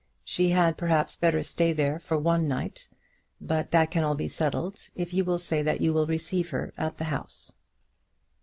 She had, perhaps, better stay there for one night, but that can all be settled if you will say that you will receive her at the house.